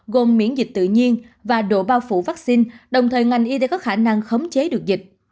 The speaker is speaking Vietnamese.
gồm miễn dịch tự nhiên và độ bao phủ vaccine đồng thời ngành y tế có khả năng khống chế được dịch